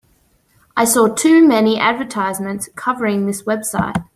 I saw too many advertisements covering this website.